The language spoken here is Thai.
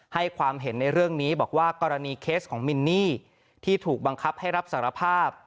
ให้ความเห็นในเรื่องนี้บอกว่ากรณีเคสของมินนี่ที่ถูกบังคับให้รับสารภาพ